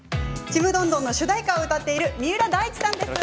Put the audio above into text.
「ちむどんどん」の主題歌を歌っている三浦大知さんです。